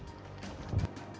dan warga negara jalanan